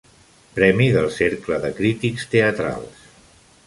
Premi del Cercle de Crítics Teatrals.